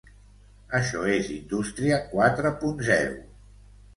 Això és indústria quatre punt zero.